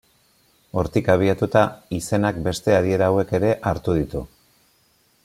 Hortik abiatuta, izenak beste adiera hauek ere hartu ditu.